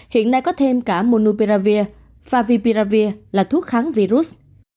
hiện nay có thêm cả monuperavir favipiravir là thuốc kháng virus